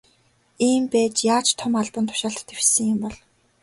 Ийм байж яаж том албан тушаалд дэвшсэн юм бол.